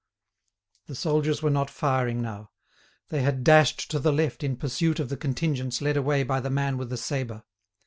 The soldiers were not firing now; they had dashed to the left in pursuit of the contingents led away by the man with the sabre.